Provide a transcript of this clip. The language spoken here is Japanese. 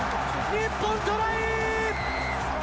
日本、トライ！